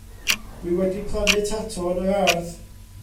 Wi wedi plannu tato yn yr ardd.